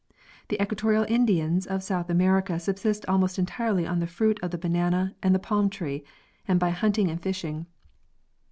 The equatorial Indians of South America subsist almost entirely on the fruit of the banana and the palm tree, and by hunting and fishing.